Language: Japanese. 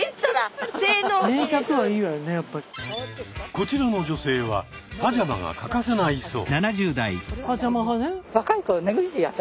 こちらの女性はパジャマが欠かせないそう。